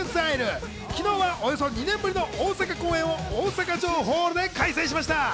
昨日はおよそ２年ぶりの大阪公演を大阪城ホールで開催しました。